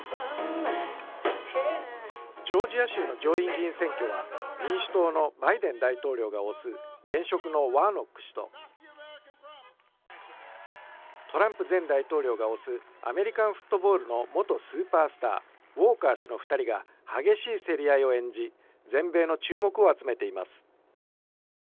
ジョージア州の上院議員選挙は、民主党のバイデン大統領が推す現職のワーノック氏と、トランプ前大統領が推すアメリカンフットボールの元スーパースター、ウォーカー氏の２人が、激しい競り合いを演じ、全米の注目を集めています。